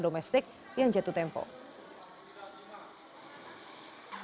dan juga untuk pelunasan surat berharga domenik